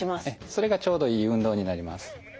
それがちょうどいい運動になります。